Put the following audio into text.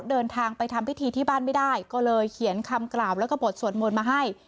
เดินทางไปทำพิธีที่บ้านไม่ได้ก็เลยเขียนคำกล่าวแล้วก็บทสวดมนต์มาให้